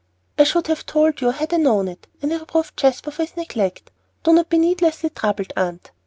"I should have told you had I known it, and I reproved Jasper for his neglect. Do not be needlessly troubled, Aunt.